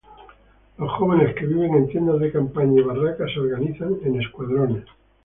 Los jóvenes, que viven en tiendas de campaña y barracas, se organizan en escuadrones.